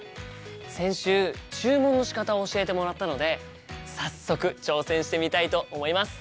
先週注文のしかたを教えてもらったので早速挑戦してみたいと思います。